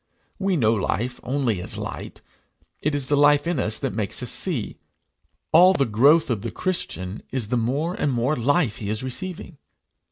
We know life only as light; it is the life in us that makes us see. All the growth of the Christian is the more and more life he is receiving.